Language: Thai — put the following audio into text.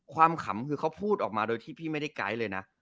ขำคือเขาพูดออกมาโดยที่พี่ไม่ได้ไกด์เลยนะ